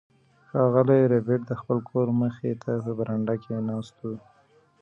ښاغلی ربیټ د خپل کور مخې ته په برنډه کې ناست و